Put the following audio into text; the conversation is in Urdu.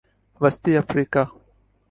وسطی افریقہ